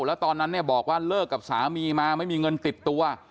แล้วตอนนั้นเนี่ยบอกว่าเลิกกับสามีมาไม่มีเงินติดตัว